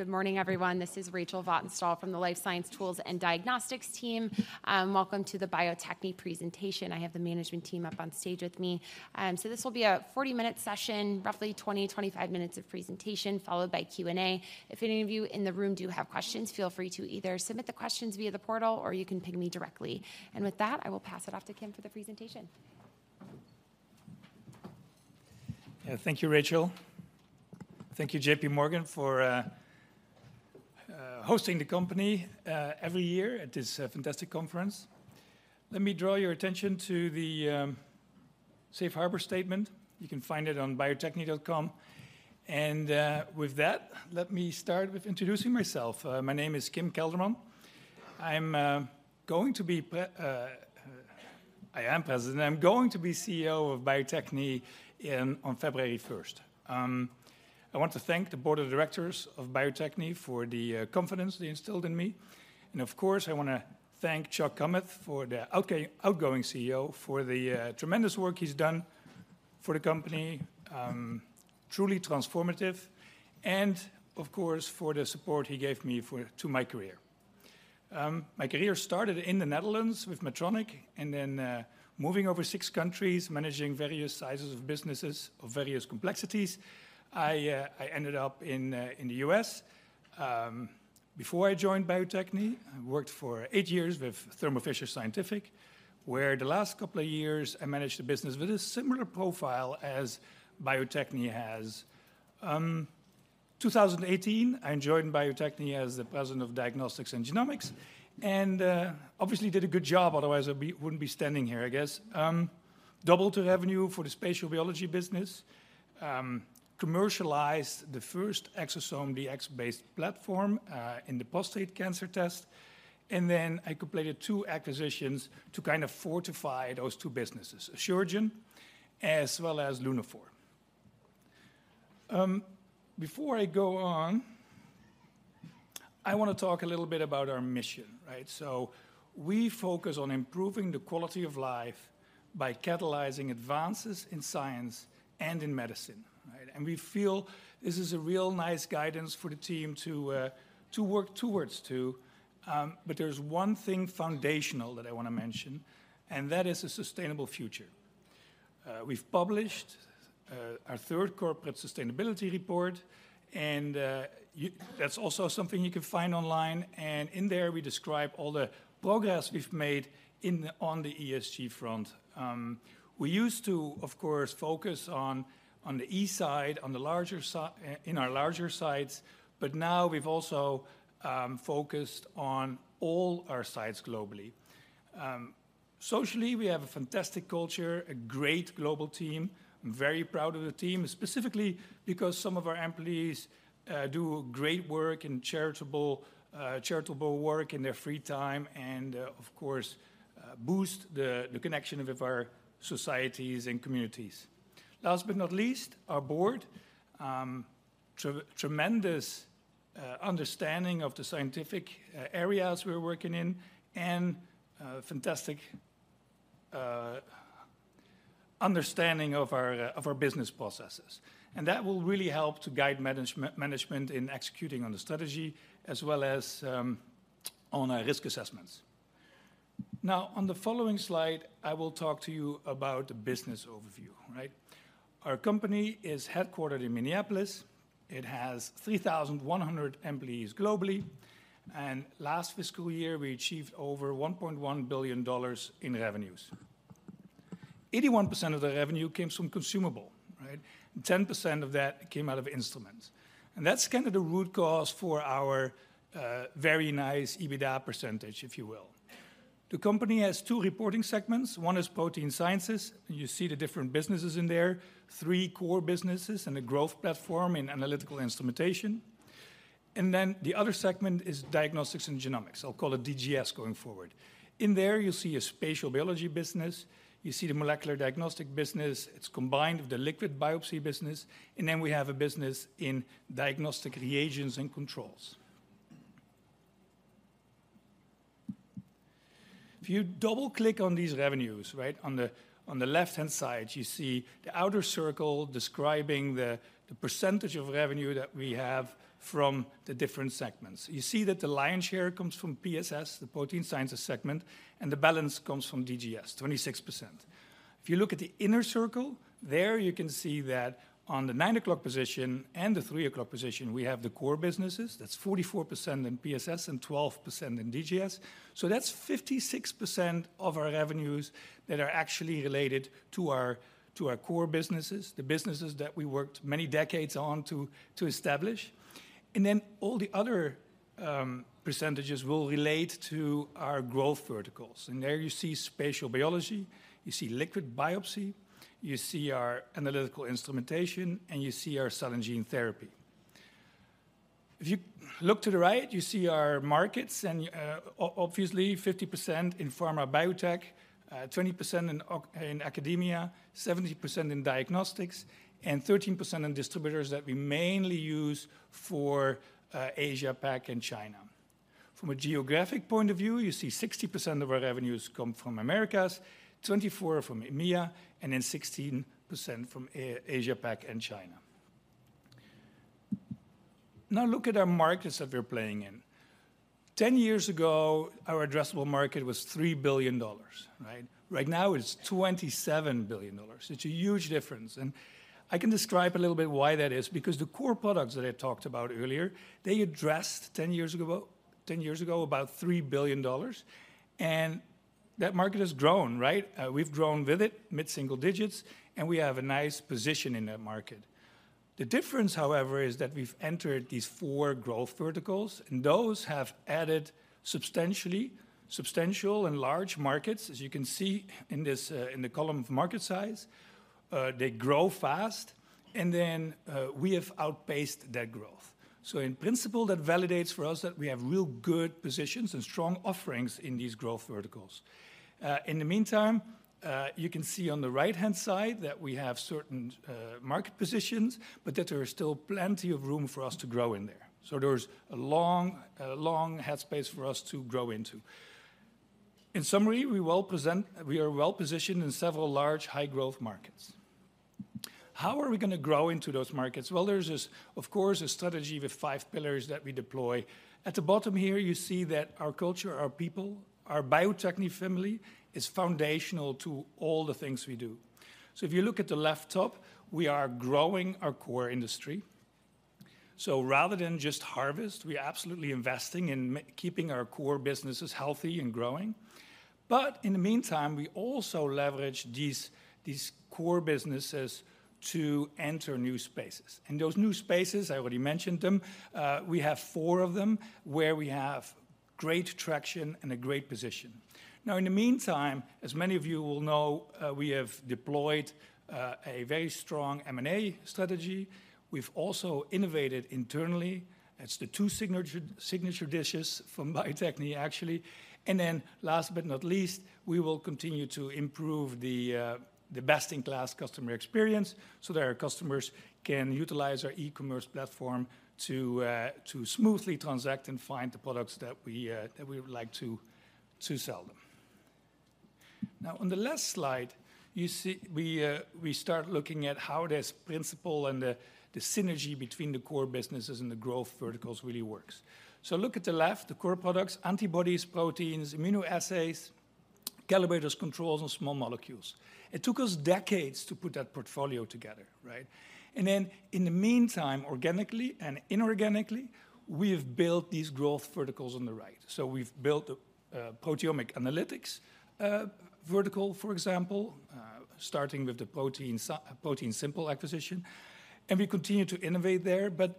Good morning, everyone. This is Rachel Vatnsdal from the Life Science Tools and Diagnostics team. Welcome to the Bio-Techne presentation. I have the management team up on stage with me. So this will be a 40-minute session, roughly 20, 25 minutes of presentation, followed by Q&A. If any of you in the room do have questions, feel free to either submit the questions via the portal, or you can ping me directly. With that, I will pass it off to Kim for the presentation. Yeah. Thank you, Rachel. Thank you, JPMorgan, for hosting the company every year at this fantastic conference. Let me draw your attention to the safe harbor statement. You can find it on bio-techne.com. And, with that, let me start with introducing myself. My name is Kim Kelderman. I am President. I'm going to be CEO of Bio-Techne on February first. I want to thank the board of directors of Bio-Techne for the confidence they instilled in me. And of course, I wanna thank Chuck Kummeth for the outgoing CEO, for the tremendous work he's done for the company, truly transformative, and of course, for the support he gave me to my career. My career started in the Netherlands with Medtronic, and then moving over six countries, managing various sizes of businesses of various complexities. I ended up in the U.S. Before I joined Bio-Techne, I worked for eight years with Thermo Fisher Scientific, where the last couple of years I managed a business with a similar profile as Bio-Techne has. In 2018, I joined Bio-Techne as the President of Diagnostics and Genomics, and obviously did a good job, otherwise I wouldn't be standing here, I guess. Doubled the revenue for the spatial biology business, commercialized the first ExoDx-based platform in the prostate cancer test, and then I completed two acquisitions to kind of fortify those two businesses, Asuragen as well as Lunaphore. Before I go on, I wanna talk a little bit about our mission, right? So we focus on improving the quality of life by catalyzing advances in science and in medicine, right? And we feel this is a real nice guidance for the team to, to work towards to. But there's one thing foundational that I wanna mention, and that is a sustainable future. We've published our third corporate sustainability report, and that's also something you can find online. And in there, we describe all the progress we've made in on the ESG front. We used to, of course, focus on, on the E side, on the larger sites, but now we've also focused on all our sites globally. Socially, we have a fantastic culture, a great global team. I'm very proud of the team, specifically because some of our employees do great work and charitable work in their free time and, of course, boost the connection with our societies and communities. Last but not least, our board tremendous understanding of the scientific areas we're working in and fantastic understanding of our business processes. And that will really help to guide management in executing on the strategy as well as on our risk assessments. Now, on the following slide, I will talk to you about the business overview, right? Our company is headquartered in Minneapolis. It has 3,100 employees globally, and last fiscal year, we achieved over $1.1 billion in revenues. 81% of the revenue came from consumable, right? 10% of that came out of instruments. And that's kind of the root cause for our very nice EBITDA percentage, if you will. The company has two reporting segments. One is Protein Sciences, and you see the different businesses in there, three core businesses and a growth platform in analytical instrumentation. And then the other segment is Diagnostics and Genomics. I'll call it DGS going forward. In there, you see a spatial biology business, you see the molecular diagnostic business, it's combined with the liquid biopsy business, and then we have a business in diagnostic reagents and controls. If you double-click on these revenues, right on the left-hand side, you see the outer circle describing the percentage of revenue that we have from the different segments. You see that the lion's share comes from PSS, the Protein Sciences Segment, and the balance comes from DGS, 26%. If you look at the inner circle, there you can see that on the nine o'clock position and the three o'clock position, we have the core businesses. That's 44% in PSS and 12% in DGS. So that's 56% of our revenues that are actually related to our, to our core businesses, the businesses that we worked many decades on to, to establish. And then all the other percentages will relate to our growth verticals. And there you see Spatial Biology, you see Liquid Biopsy, you see our Analytical Instrumentation, and you see our Cell and Gene Therapy. If you look to the right, you see our markets and, obviously, 50% in pharma biotech, 20% in academia, 70% in diagnostics, and 13% in distributors that we mainly use for, Asia-Pacific, and China. From a geographic point of view, you see 60% of our revenues come from Americas, 24% from EMEA, and then 16% from Asia-Pacific and China. Now, look at our markets that we're playing in. 10 years ago, our addressable market was $3 billion, right? Right now, it's $27 billion. It's a huge difference, and I can describe a little bit why that is. Because the core products that I talked about earlier, they addressed 10 years ago, about 10 years ago, about $3 billion, and that market has grown, right? We've grown with it, mid-single digits, and we have a nice position in that market. The difference, however, is that we've entered these four growth verticals, and those have added substantially and large markets, as you can see in this, in the column of market size. They grow fast, and then, we have outpaced that growth. So in principle, that validates for us that we have real good positions and strong offerings in these growth verticals. In the meantime, you can see on the right-hand side that we have certain, market positions, but that there is still plenty of room for us to grow in there. So there's a long head space for us to grow into. In summary, we are well-positioned in several large, high-growth markets. How are we gonna grow into those markets? Well, there's this, of course, a strategy with five pillars that we deploy. At the bottom here, you see that our culture, our people, our Bio-Techne family, is foundational to all the things we do. So if you look at the left top, we are growing our core industry. So rather than just harvest, we are absolutely investing in keeping our core businesses healthy and growing. But in the meantime, we also leverage these, these core businesses to enter new spaces. And those new spaces, I already mentioned them, we have four of them, where we have great traction and a great position. Now, in the meantime, as many of you will know, we have deployed a very strong M&A strategy. We've also innovated internally. That's the two signature, signature dishes from Bio-Techne, actually. And then, last but not least, we will continue to improve the, the best-in-class customer experience, so that our customers can utilize our e-commerce platform to, to smoothly transact and find the products that we, that we would like to, to sell them. Now, on the last slide, you see we, we start looking at how this principle and the, the synergy between the core businesses and the growth verticals really works. So look at the left, the core products: antibodies, proteins, immunoassays, calibrators, controls, and small molecules. It took us decades to put that portfolio together, right? And then, in the meantime, organically and inorganically, we have built these growth verticals on the right. So we've built a, proteomic analytics, vertical, for example, starting with the ProteinSimple acquisition, and we continue to innovate there. But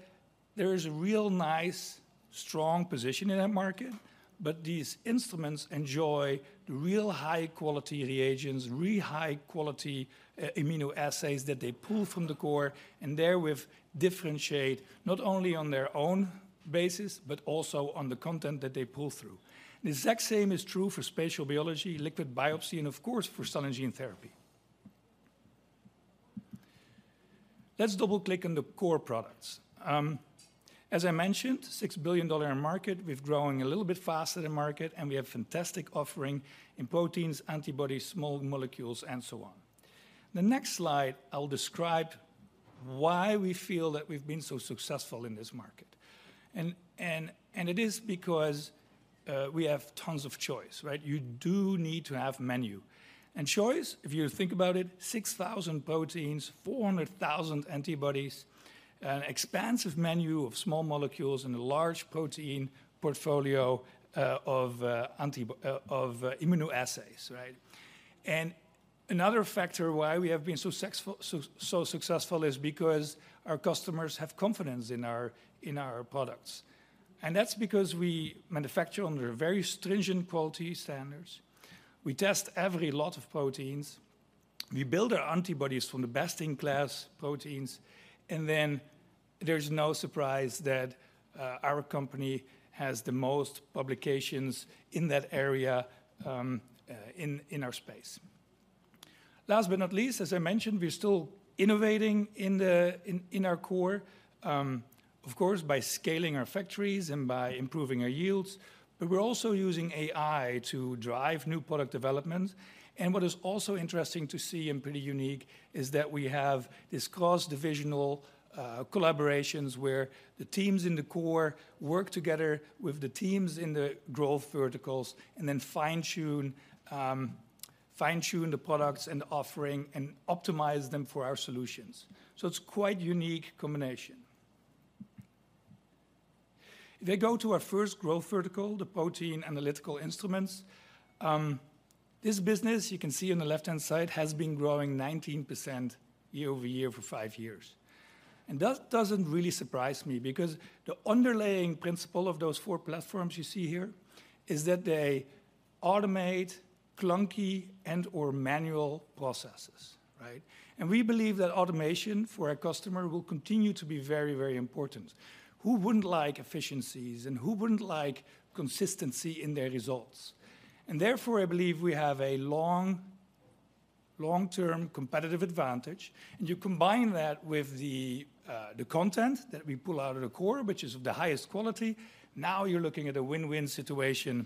there is a real nice, strong position in that market, but these instruments enjoy the real high-quality reagents, real high-quality, immunoassays that they pull from the core, and therewith differentiate not only on their own basis, but also on the content that they pull through. The exact same is true for spatial biology, liquid biopsy, and of course, for cell and gene therapy. Let's double-click on the core products. As I mentioned, $6 billion market. We've growing a little bit faster than market, and we have fantastic offering in proteins, antibodies, small molecules, and so on. The next slide, I will describe why we feel that we've been so successful in this market. And it is because, we have tons of choice, right? You do need to have menu. Choice, if you think about it, 6,000 proteins, 400,000 antibodies, an expansive menu of small molecules, and a large protein portfolio of immunoassays, right? Another factor why we have been so successful is because our customers have confidence in our products. That's because we manufacture under very stringent quality standards. We test every lot of proteins. We build our antibodies from the best-in-class proteins, and then there's no surprise that our company has the most publications in that area in our space. Last but not least, as I mentioned, we're still innovating in our core, of course, by scaling our factories and by improving our yields, but we're also using AI to drive new product development. What is also interesting to see and pretty unique is that we have these cross-divisional collaborations where the teams in the core work together with the teams in the growth verticals and then fine-tune the products and the offering and optimize them for our solutions. So it's quite unique combination. If I go to our first growth vertical, the protein analytical instruments, this business, you can see on the left-hand side, has been growing 19% year-over-year for five years. And that doesn't really surprise me because the underlying principle of those four platforms you see here is that they automate clunky and/or manual processes, right? And we believe that automation for our customer will continue to be very, very important. Who wouldn't like efficiencies, and who wouldn't like consistency in their results? And therefore, I believe we have a long-... Long-term competitive advantage, and you combine that with the, the content that we pull out of the core, which is of the highest quality, now you're looking at a win-win situation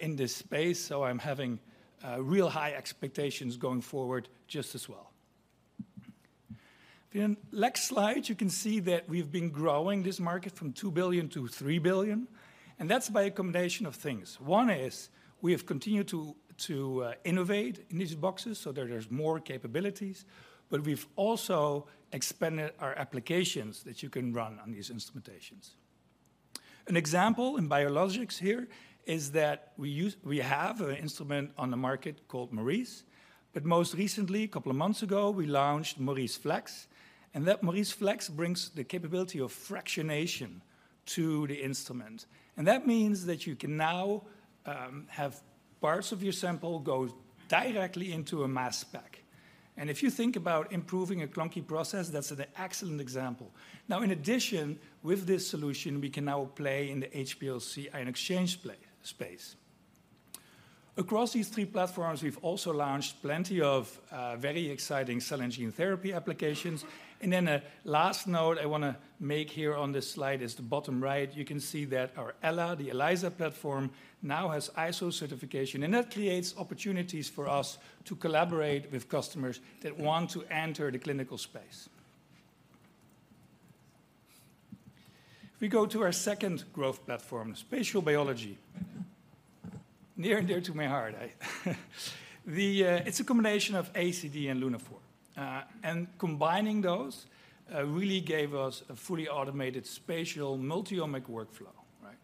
in this space. So I'm having real high expectations going forward just as well. In next slide, you can see that we've been growing this market from $2 billion-$3 billion, and that's by a combination of things. One is we have continued to innovate in these boxes so that there's more capabilities, but we've also expanded our applications that you can run on these instrumentations. An example in biologics here is that we have an instrument on the market called Maurice, but most recently, a couple of months ago, we launched MauriceFlex, and that MauriceFlex brings the capability of fractionation to the instrument. That means that you can now have parts of your sample go directly into a mass spec. If you think about improving a clunky process, that's an excellent example. Now, in addition, with this solution, we can now play in the HPLC ion exchange play space. Across these three platforms, we've also launched plenty of very exciting cell and gene therapy applications. Then a last note I wanna make here on this slide is the bottom right. You can see that our Ella, the ELISA platform, now has ISO certification, and that creates opportunities for us to collaborate with customers that want to enter the clinical space. If we go to our second growth platform, Spatial Biology, near and dear to my heart, it's a combination of ACD and Lunaphore. And combining those, really gave us a fully automated spatial multi-omic workflow, right?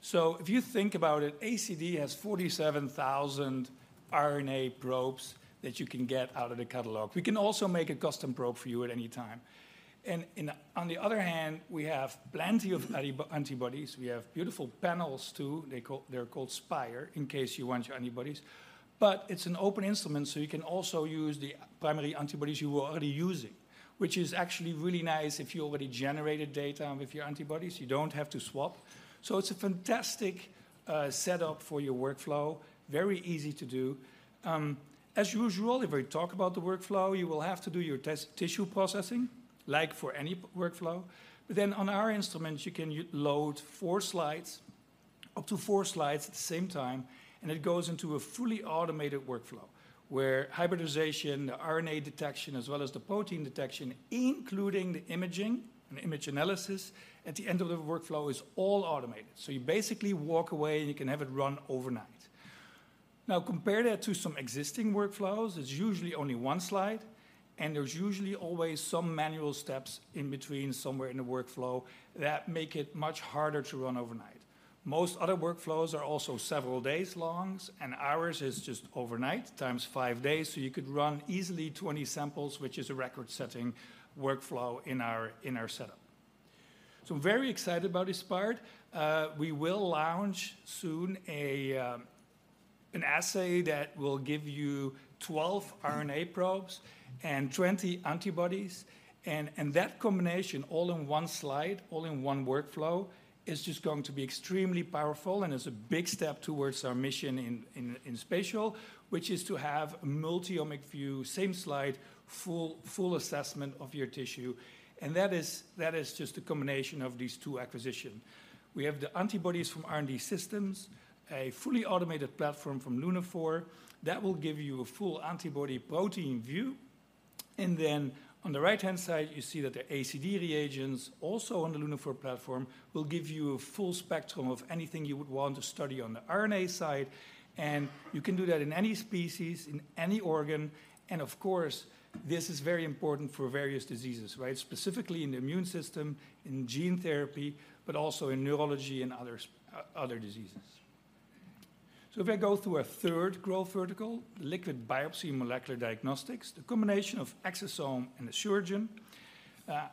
So if you think about it, ACD has 47,000 RNA probes that you can get out of the catalog. We can also make a custom probe for you at any time. And on the other hand, we have plenty of antibodies. We have beautiful panels, too. They're called Spire, in case you want your antibodies. But it's an open instrument, so you can also use the primary antibodies you were already using, which is actually really nice if you already generated data with your antibodies. You don't have to swap. So it's a fantastic setup for your workflow. Very easy to do. As usual, if we talk about the workflow, you will have to do your test tissue processing, like for any workflow. But then, on our instruments, you can load four slides, up to four slides at the same time, and it goes into a fully automated workflow, where hybridization, the RNA detection, as well as the protein detection, including the imaging and image analysis at the end of the workflow, is all automated. So you basically walk away, and you can have it run overnight. Now, compare that to some existing workflows. It's usually only one slide, and there's usually always some manual steps in between, somewhere in the workflow, that make it much harder to run overnight. Most other workflows are also several days long, and ours is just overnight, times five days, so you could run easily 20 samples, which is a record-setting workflow in our setup. So very excited about this part. We will launch soon an assay that will give you 12 RNA probes and 20 antibodies, and that combination, all in one slide, all in one workflow, is just going to be extremely powerful and is a big step towards our mission in spatial, which is to have a multi-omic view, same slide, full assessment of your tissue, and that is just a combination of these two acquisition. We have the antibodies from R&D Systems, a fully automated platform from Lunaphore, that will give you a full antibody protein view. Then on the right-hand side, you see that the ACD reagents, also on the Lunaphore platform, will give you a full spectrum of anything you would want to study on the RNA side, and you can do that in any species, in any organ. Of course, this is very important for various diseases, right? Specifically in the immune system, in gene therapy, but also in neurology and others, other diseases. If I go through a third growth vertical, liquid biopsy and molecular diagnostics, the combination of Exosome and Asuragen.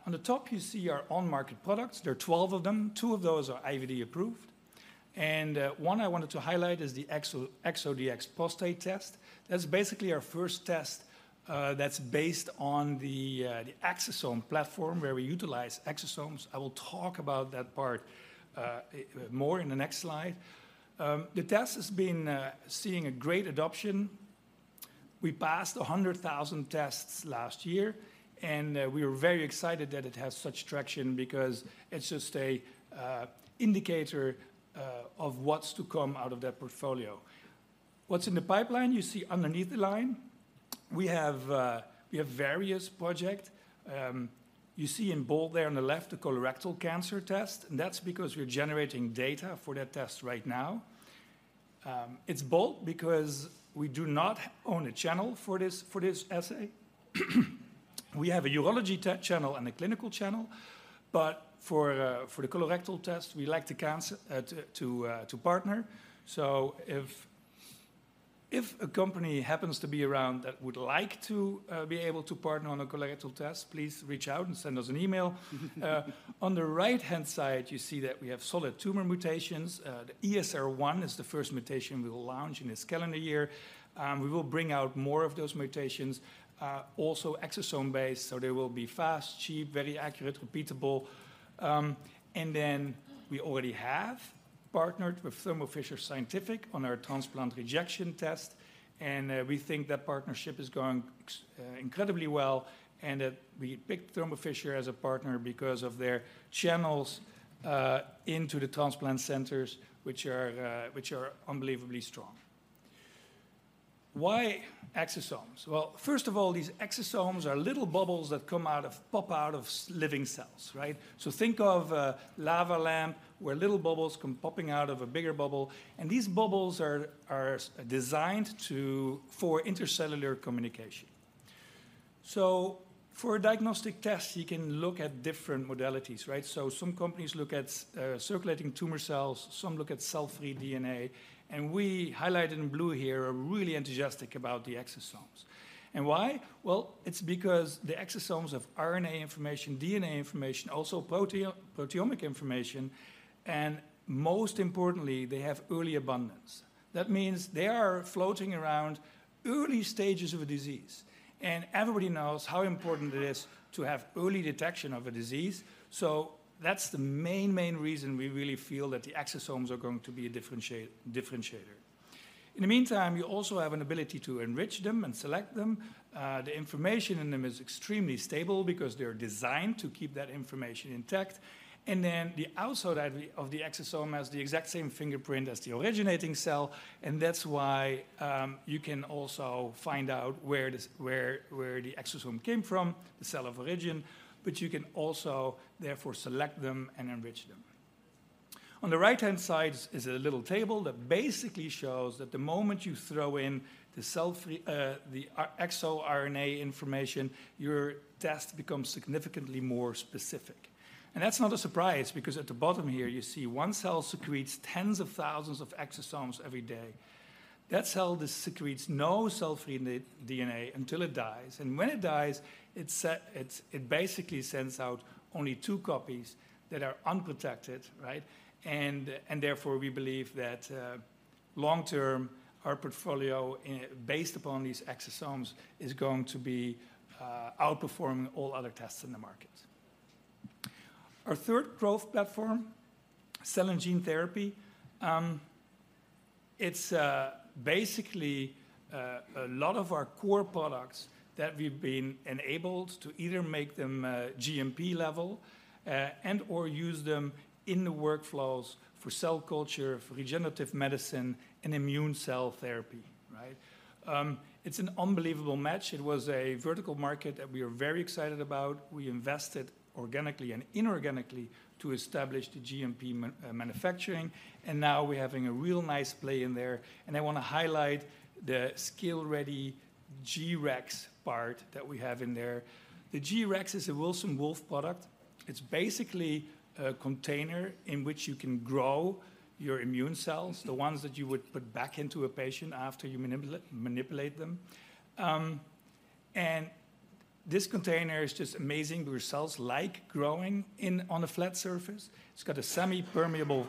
On the top, you see our on-market products. There are 12 of them. Two of those are IVD approved, and one I wanted to highlight is the ExoDx Prostate Test. That's basically our first test, that's based on the exosome platform, where we utilize exosomes. I will talk about that part more in the next slide. The test has been seeing a great adoption. We passed 100,000 tests last year, and we are very excited that it has such traction because it's just an indicator of what's to come out of that portfolio. What's in the pipeline? You see underneath the line, we have various project. You see in bold there on the left, the colorectal cancer test, and that's because we're generating data for that test right now. It's bold because we do not own a channel for this, for this assay. We have a urology channel and a clinical channel, but for the colorectal test, we like to partner. So if a company happens to be around that would like to be able to partner on a colorectal test, please reach out and send us an email. On the right-hand side, you see that we have solid tumor mutations. The ESR1 is the first mutation we will launch in this calendar year. We will bring out more of those mutations, also exosome-based, so they will be fast, cheap, very accurate, repeatable. And then we already have partnered with Thermo Fisher Scientific on our transplant rejection test, and we think that partnership is going incredibly well, and that we picked Thermo Fisher as a partner because of their channels into the transplant centers, which are unbelievably strong. Why exosomes? Well, first of all, these exosomes are little bubbles that pop out of living cells, right? So think of a lava lamp, where little bubbles come popping out of a bigger bubble, and these bubbles are designed for intercellular communication. So for a diagnostic test, you can look at different modalities, right? Some companies look at circulating tumor cells, some look at cell-free DNA, and we, highlighted in blue here, are really enthusiastic about the exosomes. And why? Well, it's because the exosomes have RNA information, DNA information, also proteomic information, and most importantly, they have early abundance. That means they are floating around early stages of a disease, and everybody knows how important it is to have early detection of a disease. So that's the main, main reason we really feel that the exosomes are going to be a differentiator. In the meantime, you also have an ability to enrich them and select them. The information in them is extremely stable because they're designed to keep that information intact, and then the outside of the exosome has the exact same fingerprint as the originating cell, and that's why you can also find out where this, where the exosome came from, the cell of origin, but you can also therefore select them and enrich them. On the right-hand side is a little table that basically shows that the moment you throw in the cell-free, the exoRNA information, your test becomes significantly more specific. That's not a surprise because at the bottom here, you see one cell secretes tens of thousands of exosomes every day. That cell secretes no cell-free DNA until it dies, and when it dies, it basically sends out only two copies that are unprotected, right? Therefore, we believe that long term, our portfolio, based upon these exosomes, is going to be outperforming all other tests in the market. Our third growth platform, cell and gene therapy. It's basically a lot of our core products that we've been enabled to either make them GMP level and/or use them in the workflows for cell culture, for regenerative medicine, and immune cell therapy, right? It's an unbelievable match. It was a vertical market that we are very excited about. We invested organically and inorganically to establish the GMP manufacturing, and now we're having a real nice play in there, and I want to highlight the ScaleReady G-Rex part that we have in there. The G-Rex is a Wilson Wolf product. It's basically a container in which you can grow your immune cells, the ones that you would put back into a patient after you manipulate them. And this container is just amazing, where cells like growing on a flat surface. It's got a semipermeable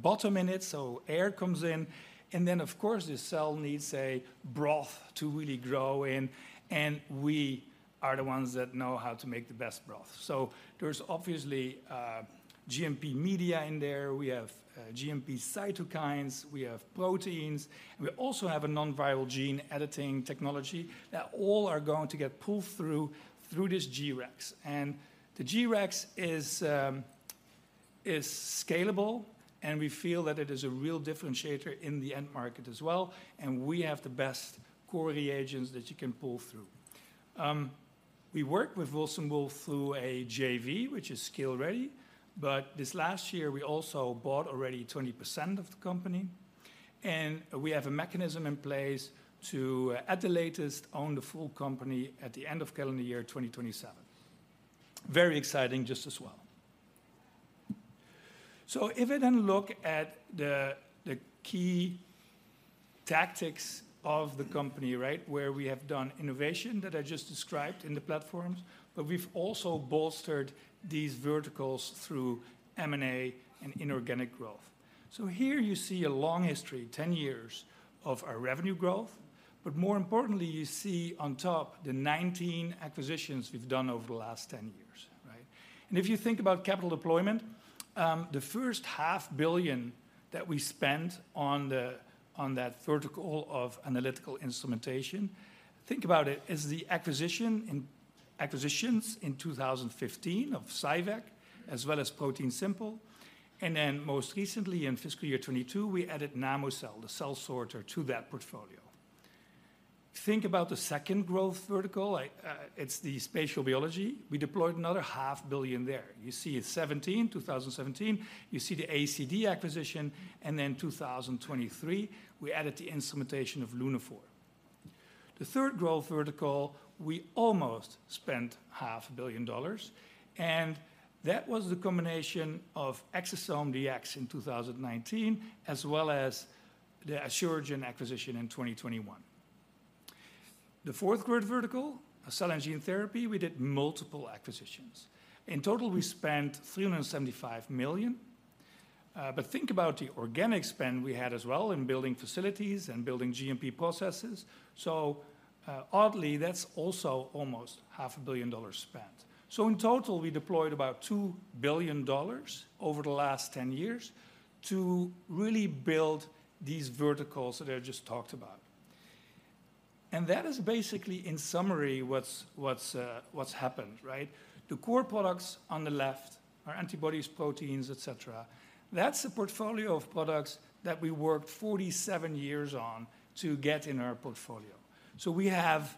bottom in it, so air comes in, and then, of course, the cell needs a broth to really grow in, and we are the ones that know how to make the best broth. So there's obviously GMP media in there. We have GMP cytokines. We have proteins, and we also have a non-viral gene editing technology that all are going to get pulled through this G-Rex. The G-Rex is scalable, and we feel that it is a real differentiator in the end market as well, and we have the best core reagents that you can pull through. We work with Wilson Wolf through a JV, which is ScaleReady, but this last year, we also bought 20% of the company, and we have a mechanism in place to, at the latest, own the full company at the end of calendar year 2027. Very exciting just as well. So if I then look at the key tactics of the company, right? Where we have done innovation that I just described in the platforms, but we've also bolstered these verticals through M&A and inorganic growth. So here you see a long history, 10 years of our revenue growth, but more importantly, you see on top the 19 acquisitions we've done over the last 10 years, right? And if you think about capital deployment, the first $500 million that we spent on the, on that vertical of analytical instrumentation, think about it as the acquisitions in 2015 of CyVek, as well as ProteinSimple, and then most recently in fiscal year 2022, we added Namocell, the cell sorter, to that portfolio. Think about the second growth vertical. It's the spatial biology. We deployed another $500 million there. You see it, 2017, you see the ACD acquisition, and then 2023, we added the instrumentation of Lunaphore. The third growth vertical, we almost spent $500 million, and that was the combination of Exosome Diagnostics in 2019, as well as the Asuragen acquisition in 2021. The fourth growth vertical, cell and gene therapy, we did multiple acquisitions. In total, we spent $375 million, but think about the organic spend we had as well in building facilities and building GMP processes. So, oddly, that's also almost $500 million spent. So in total, we deployed about $2 billion over the last 10 years to really build these verticals that I just talked about. And that is basically, in summary, what's happened, right? The core products on the left are antibodies, proteins, et cetera. That's a portfolio of products that we worked 47 years on to get in our portfolio. So we have,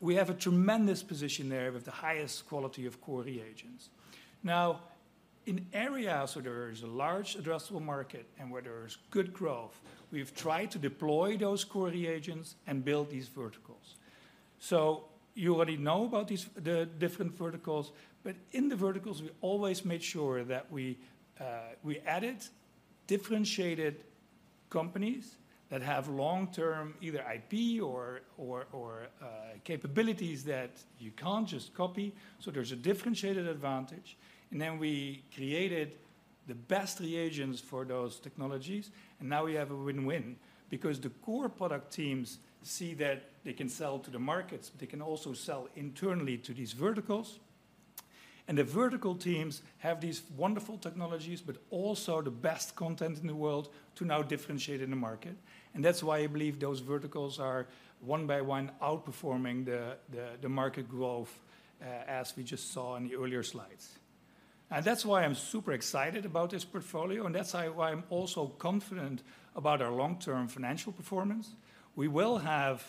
we have a tremendous position there with the highest quality of core reagents. Now, in areas where there is a large addressable market and where there is good growth, we've tried to deploy those core reagents and build these verticals. So you already know about these, the different verticals, but in the verticals, we always made sure that we, we added differentiated companies that have long-term either IP or, or, or, capabilities that you can't just copy, so there's a differentiated advantage. And then we created the best reagents for those technologies, and now we have a win-win because the core product teams see that they can sell to the markets, but they can also sell internally to these verticals. And the vertical teams have these wonderful technologies, but also the best content in the world to now differentiate in the market. That's why I believe those verticals are, one by one, outperforming the market growth, as we just saw in the earlier slides. That's why I'm super excited about this portfolio, and that's why I'm also confident about our long-term financial performance. We will have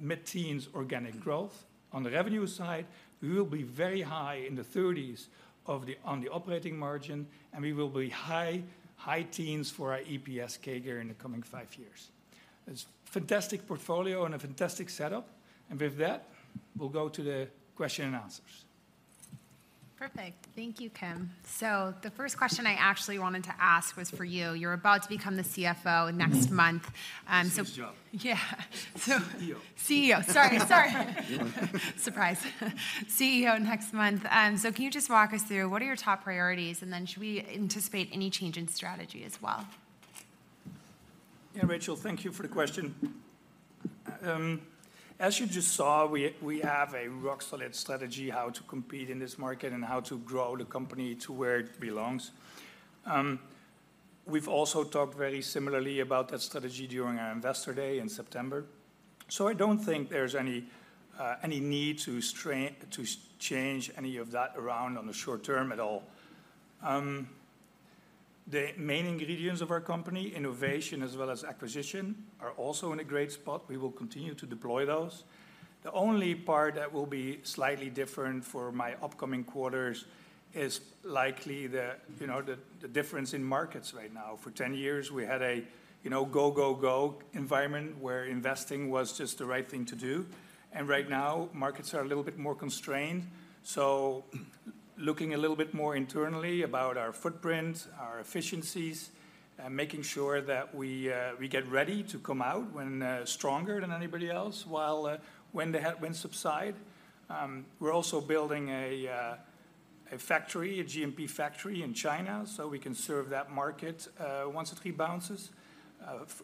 mid-teens organic growth on the revenue side. We will be very high in the thirties on the operating margin, and we will be high teens for our EPS CAGR in the coming five years. It's a fantastic portfolio and a fantastic setup, and with that, we'll go to the question and answers. Perfect. Thank you, Kim. The first question I actually wanted to ask was for you. You're about to become the CFO next month, so- It's his job. Yeah. So- CEO. CEO, sorry, sorry. Surprise. CEO next month. So, can you just walk us through what are your top priorities, and then should we anticipate any change in strategy as well? Yeah, Rachel, thank you for the question. As you just saw, we, we have a rock-solid strategy how to compete in this market and how to grow the company to where it belongs. We've also talked very similarly about that strategy during our Investor Day in September, so I don't think there's any, any need to change any of that around on the short term at all. The main ingredients of our company, innovation as well as acquisition, are also in a great spot. We will continue to deploy those. The only part that will be slightly different for my upcoming quarters is likely the, you know, the, the difference in markets right now. For ten years, we had a, you know, go, go, go environment where investing was just the right thing to do, and right now, markets are a little bit more constrained. So looking a little bit more internally about our footprint, our efficiencies, and making sure that we, we get ready to come out when... stronger than anybody else, while, when the headwinds subside. We're also building a, a factory, a GMP factory in China, so we can serve that market, once it rebounds,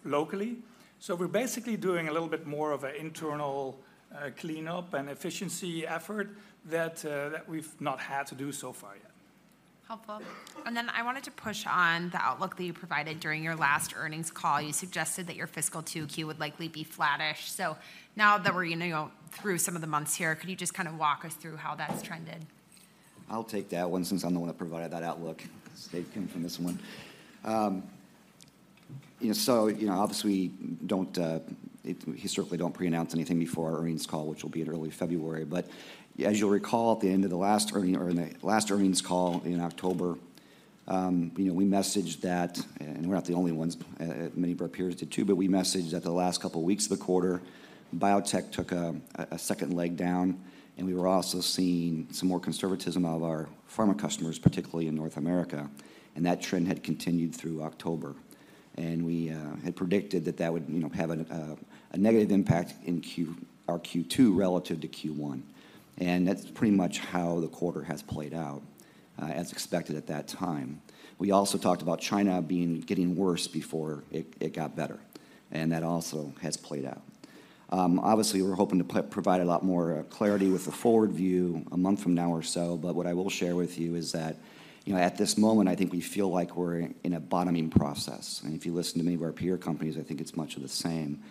locally. So we're basically doing a little bit more of an internal, cleanup and efficiency effort that, that we've not had to do so far yet. Helpful. And then I wanted to push on the outlook that you provided during your last earnings call. You suggested that your fiscal 2Q would likely be flattish. So now that we're, you know, through some of the months here, could you just kind of walk us through how that's trended? I'll take that one since I'm the one that provided that outlook statement for this one. You know, so, you know, obviously, we don't, we certainly don't pre-announce anything before our earnings call, which will be in early February. But as you'll recall, at the end of the last earning, or in the last earnings call in October, you know, we messaged that, and we're not the only ones, many of our peers did, too, but we messaged that the last couple weeks of the quarter, biotech took a second leg down, and we were also seeing some more conservatism out of our pharma customers, particularly in North America, and that trend had continued through October. We had predicted that that would, you know, have a negative impact in our Q2 relative to Q1, and that's pretty much how the quarter has played out, as expected at that time. We also talked about China being getting worse before it got better, and that also has played out. Obviously, we're hoping to provide a lot more clarity with the forward view a month from now or so, but what I will share with you is that, you know, at this moment, I think we feel like we're in a bottoming process, and if you listen to many of our peer companies, I think it's much of the same.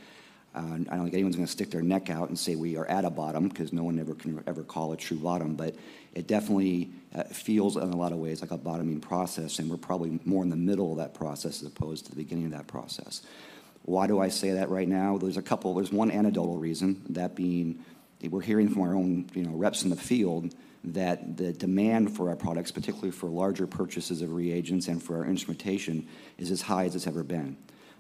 I don't think anyone's going to stick their neck out and say we are at a bottom because no one ever can ever call a true bottom, but it definitely feels in a lot of ways like a bottoming process, and we're probably more in the middle of that process as opposed to the beginning of that process. Why do I say that right now? There's one anecdotal reason, that being that we're hearing from our own, you know, reps in the field, that the demand for our products, particularly for larger purchases of reagents and for our instrumentation, is as high as it's ever been.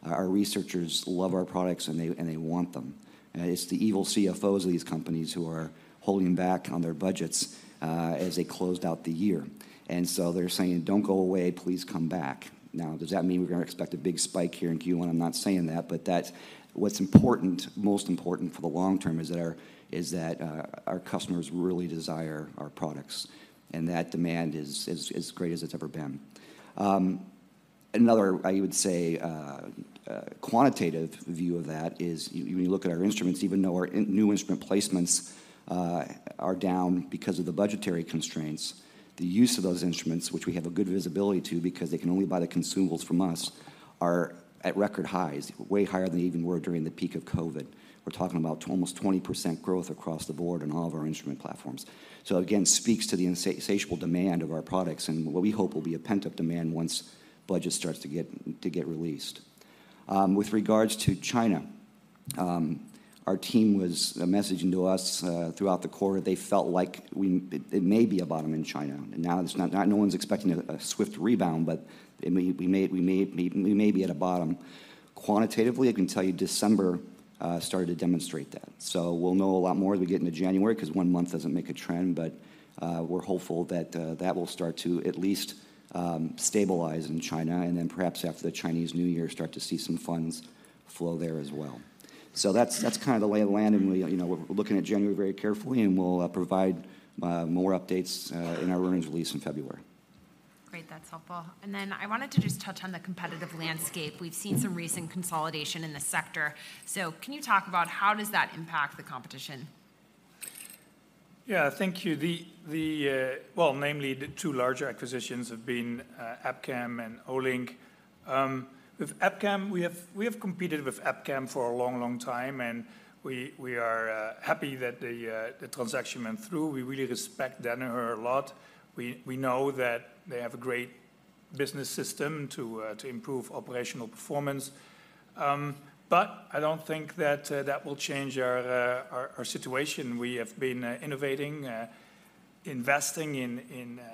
Our researchers love our products, and they, and they want them. It's the evil CFOs of these companies who are holding back on their budgets as they closed out the year. They're saying: "Don't go away. Please come back." Now, does that mean we're going to expect a big spike here in Q1? I'm not saying that, but that's what's important, most important for the long term is that our customers really desire our products, and that demand is as great as it's ever been. Another, I would say, quantitative view of that is when you look at our instruments, even though our new instrument placements are down because of the budgetary constraints, the use of those instruments, which we have a good visibility to because they can only buy the consumables from us, are at record highs, way higher than they even were during the peak of COVID. We're talking about almost 20% growth across the board on all of our instrument platforms. So again, speaks to the insatiable demand of our products and what we hope will be a pent-up demand once budget starts to get released. With regards to China, our team was messaging to us throughout the quarter. They felt like it may be a bottom in China, and now no one's expecting a swift rebound, but we may be at a bottom. Quantitatively, I can tell you December started to demonstrate that. So we'll know a lot more as we get into January, 'cause one month doesn't make a trend, but we're hopeful that that will start to at least stabilize in China, and then perhaps after the Chinese New Year, start to see some funds flow there as well. So that's, that's kind of the lay of the land, and we, you know, we're looking at January very carefully, and we'll provide more updates in our earnings release in February. Great, that's helpful. And then I wanted to just touch on the competitive landscape. We've seen some recent consolidation in the sector, so can you talk about how does that impact the competition? Yeah, thank you. Well, namely, the two larger acquisitions have been Abcam and Olink. With Abcam, we have competed with Abcam for a long, long time, and we are happy that the transaction went through. We really respect Danaher a lot. We know that they have a great business system to improve operational performance. But I don't think that will change our situation. We have been innovating, investing in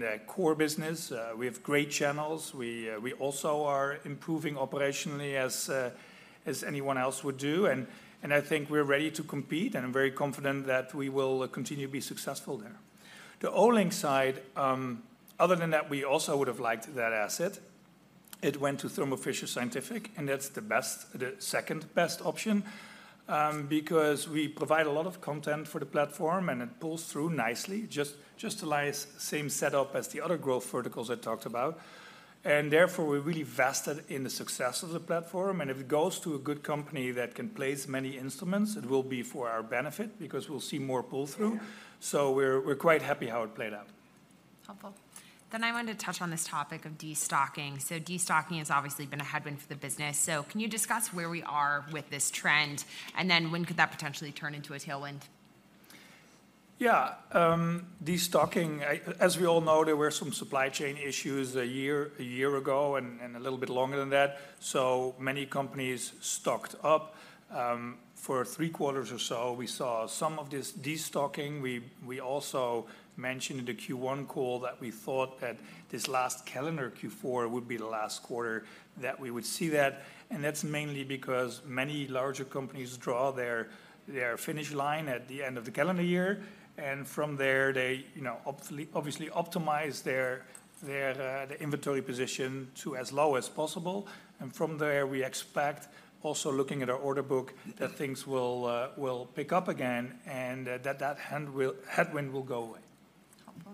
the core business. We have great channels. We also are improving operationally as anyone else would do, and I think we're ready to compete, and I'm very confident that we will continue to be successful there. The Olink side, other than that, we also would have liked that asset. It went to Thermo Fisher Scientific, and that's the best—the second-best option, because we provide a lot of content for the platform, and it pulls through nicely. Just like the same setup as the other growth verticals I talked about. And therefore, we're really vested in the success of the platform, and if it goes to a good company that can place many instruments, it will be for our benefit because we'll see more pull-through. Yeah. So we're quite happy how it played out. Helpful. Then I wanted to touch on this topic of destocking. So destocking has obviously been a headwind for the business. So can you discuss where we are with this trend, and then when could that potentially turn into a tailwind? Yeah, destocking. As we all know, there were some supply chain issues a year, a year ago and, and a little bit longer than that, so many companies stocked up. For three quarters or so, we saw some of this destocking. We, we also mentioned in the Q1 call that we thought that this last calendar Q4 would be the last quarter that we would see that, and that's mainly because many larger companies draw their, their finish line at the end of the calendar year, and from there, they, you know, obviously optimize their, their, the inventory position to as low as possible. And from there, we expect, also looking at our order book, that things will, will pick up again and that, that headwind will go away. Helpful.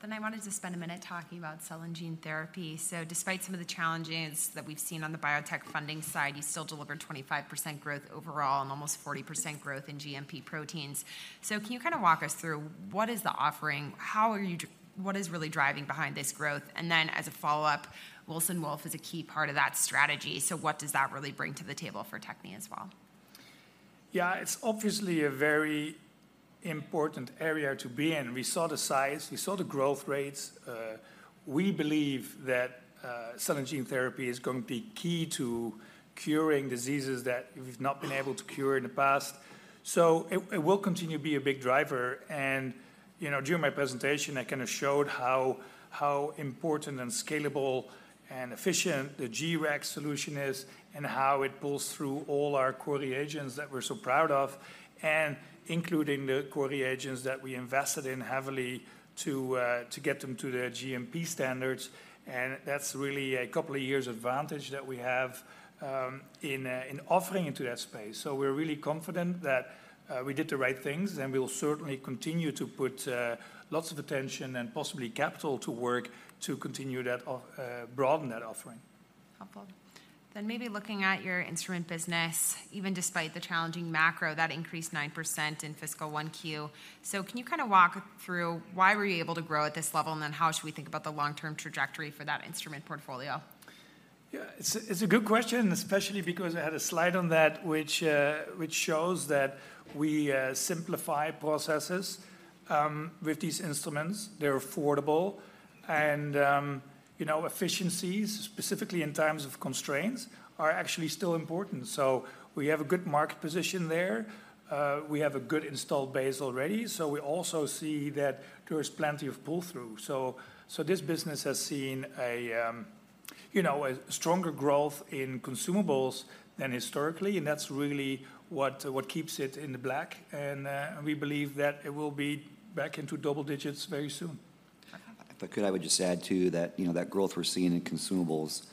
Then I wanted to spend a minute talking about cell and gene therapy. So despite some of the challenges that we've seen on the biotech funding side, you still delivered 25% growth overall and almost 40% growth in GMP proteins. So can you kind of walk us through what is the offering? How are you? What is really driving behind this growth? And then, as a follow-up, Wilson Wolf is a key part of that strategy, so what does that really bring to the table for Bio-Techne as well? Yeah, it's obviously a very important area to be in. We saw the size, we saw the growth rates. We believe that cell and gene therapy is going to be key to curing diseases that we've not been able to cure in the past. So it will continue to be a big driver and, you know, during my presentation, I kind of showed how important and scalable and efficient the G-Rex solution is and how it pulls through all our core reagents that we're so proud of, and including the core reagents that we invested in heavily to get them to their GMP standards. That's really a couple of years advantage that we have in offering into that space. So we're really confident that we did the right things, and we will certainly continue to put lots of attention and possibly capital to work to continue that, broaden that offering. Helpful. Then maybe looking at your instrument business, even despite the challenging macro, that increased 9% in fiscal 1Q. So can you kind of walk through why were you able to grow at this level, and then how should we think about the long-term trajectory for that instrument portfolio? Yeah, it's a good question, especially because I had a slide on that, which shows that we simplify processes with these instruments. They're affordable, and you know, efficiencies, specifically in times of constraints, are actually still important. So we have a good market position there. We have a good installed base already, so we also see that there is plenty of pull-through. So this business has seen, you know, a stronger growth in consumables than historically, and that's really what keeps it in the black, and we believe that it will be back into double digits very soon. If I could, I would just add, too, that, you know, that growth we're seeing in consumables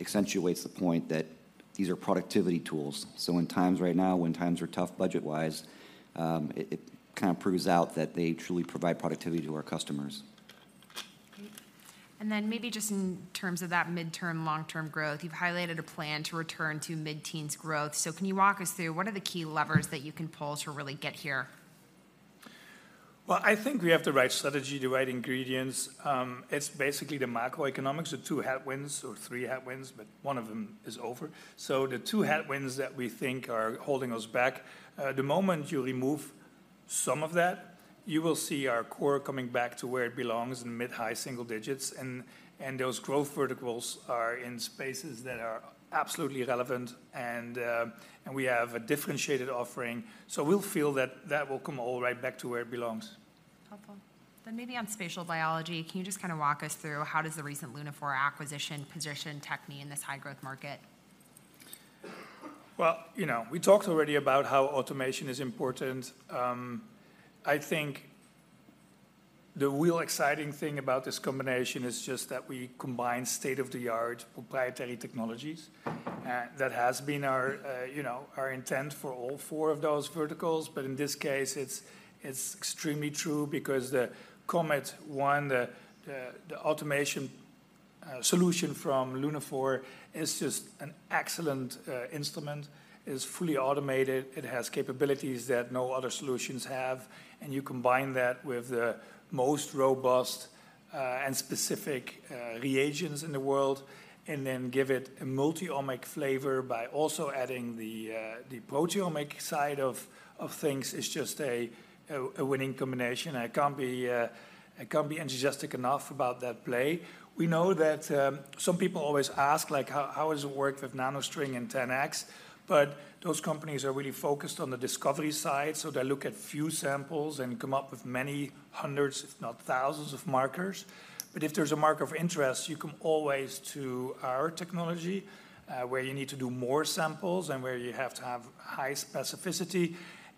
accentuates the point that these are productivity tools. So when times right now, when times are tough budget-wise, it kind of proves out that they truly provide productivity to our customers. Okay. And then maybe just in terms of that midterm, long-term growth, you've highlighted a plan to return to mid-teens growth. So can you walk us through what are the key levers that you can pull to really get here? Well, I think we have the right strategy, the right ingredients. It's basically the macroeconomics, the two headwinds or three headwinds, but one of them is over. So the two headwinds that we think are holding us back, the moment you remove some of that, you will see our core coming back to where it belongs in mid-high single digits, and, and those growth verticals are in spaces that are absolutely relevant and, and we have a differentiated offering. So we'll feel that that will come all right back to where it belongs. Helpful. Then maybe on spatial biology, can you just kind of walk us through how does the recent Lunaphore acquisition position Bio-Techne in this high-growth market? Well, you know, we talked already about how automation is important. I think the real exciting thing about this combination is just that we combine state-of-the-art proprietary technologies. That has been our, you know, our intent for all four of those verticals. But in this case, it's extremely true because the COMET one, the automation solution from Lunaphore is just an excellent instrument. It's fully automated. It has capabilities that no other solutions have, and you combine that with the most robust and specific reagents in the world, and then give it a multi-omic flavor by also adding the proteomic side of things is just a winning combination. I can't be enthusiastic enough about that play. We know that some people always ask, like, "How, how does it work with NanoString and 10x?" But those companies are really focused on the discovery side, so they look at few samples and come up with many hundreds, if not thousands, of markers. But if there's a marker of interest, you come always to our technology, where you need to do more samples and where you have to have high specificity,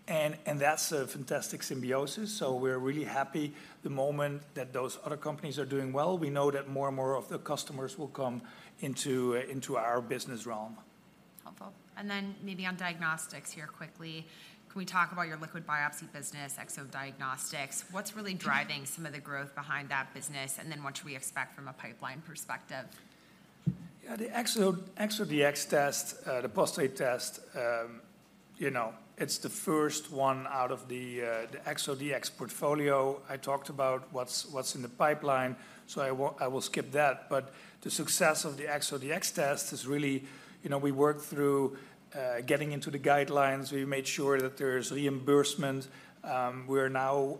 and, and that's a fantastic symbiosis. So we're really happy. The moment that those other companies are doing well, we know that more and more of the customers will come into, into our business realm. Helpful. And then maybe on diagnostics here quickly, can we talk about your liquid biopsy business, Exosome Diagnostics? What's really driving some of the growth behind that business, and then what should we expect from a pipeline perspective? Yeah, the ExoDx test, the prostate test, you know, it's the first one out of the, the ExoDx portfolio. I talked about what's in the pipeline, so I will skip that. But the success of the ExoDx test is really... You know, we worked through getting into the guidelines. We made sure that there's reimbursement. We're now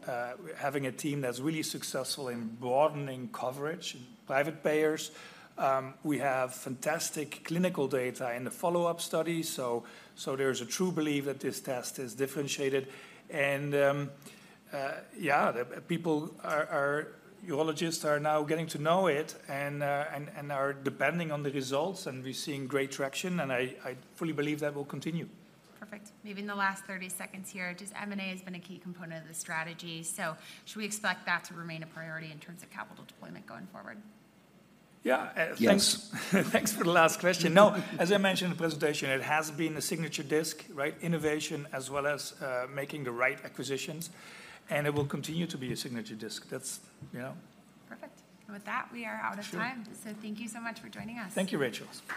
having a team that's really successful in broadening coverage in private payers. We have fantastic clinical data in the follow-up study, so there's a true belief that this test is differentiated. And yeah, urologists are now getting to know it and are depending on the results, and we're seeing great traction, and I fully believe that will continue. Perfect. Maybe in the last 30 seconds here, just M&A has been a key component of the strategy. So should we expect that to remain a priority in terms of capital deployment going forward? Yeah. Yes. Thanks, thanks for the last question. No, as I mentioned in the presentation, it has been a signature strength, right? Innovation as well as making the right acquisitions, and it will continue to be a signature strength. That's, you know. Perfect. With that, we are out of time. Sure. Thank you so much for joining us. Thank you, Rachel.